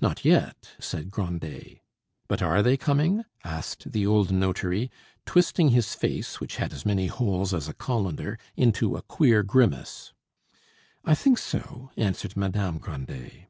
"Not yet," said Grandet. "But are they coming?" asked the old notary, twisting his face, which had as many holes as a collander, into a queer grimace. "I think so," answered Madame Grandet.